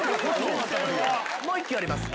もう１個あります